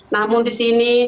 namun di sini